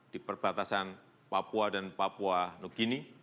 di perbatasan papua dan papua nugini